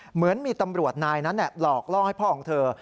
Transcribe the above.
เหมือนมีตำรวจนายนั้นหลอกล่องให้พ่อของเธอ